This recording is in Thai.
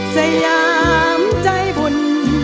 สยามใจบุญ